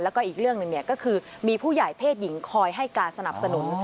แล้วก็อีกเรื่องหนึ่งก็คือมีผู้ใหญ่เพศหญิงคอยให้การสนับสนุน